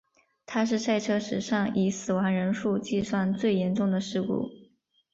它是赛车史上以死亡人数计算最严重的事故。